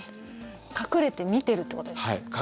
隠れて見てるっていうことですか？